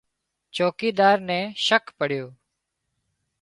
چوڪيڌار نين شڪ پڙيو